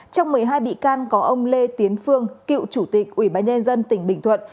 trong một mươi hai bị can có ông lê tiến phương cựu chủ tịch ủy ban nhân dân tỉnh bình thuận